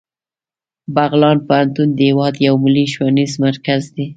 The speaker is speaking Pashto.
بغلان پوهنتون د هیواد یو ملي ښوونیز مرکز دی